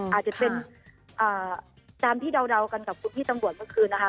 อาจจะเป็นตามที่เดากันกับคุณพี่ตำรวจเมื่อคืนนะคะ